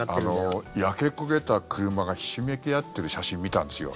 焼け焦げた車がひしめき合ってる写真を見たんですよ。